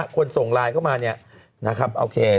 ส่งไลน์เข้ามาเนี่ยนะครับโอเค